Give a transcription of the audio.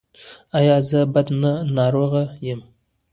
ایا زه بد ناروغ یم؟